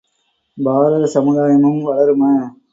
பாரத சமுதாயமும் வளரும.